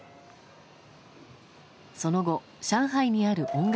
その後、上海にある音楽